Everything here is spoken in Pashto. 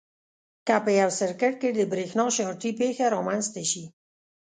که په یو سرکټ کې د برېښنا شارټي پېښه رامنځته شي.